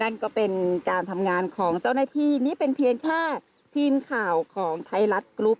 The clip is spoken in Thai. นั่นก็เป็นการทำงานของเจ้าหน้าที่นี่เป็นเพียงแค่ทีมข่าวของไทยรัฐกรุ๊ป